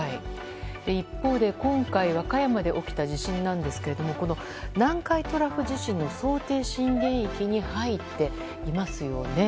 一方で今回、和歌山で起きた地震ですが南海トラフ地震の想定震源域に入っていますよね。